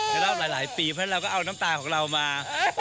รอบหลายปีเพราะฉะนั้นเราก็เอาน้ำตาของเรามา